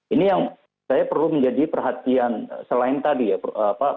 ini yang saya perlu menjadi perhatian selain tadi ya